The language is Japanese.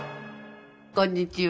こんにちは。